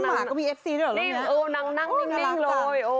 หมาก็มีเอฟซีด้วยเหรอแล้วเนี่ยน่ารักค่ะโอ้โฮนั่งนิ่งเลยโอ้โฮ